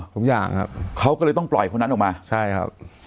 ทุกอย่างครับเขาก็เลยต้องปล่อยคนนั้นออกมาใช่ครับ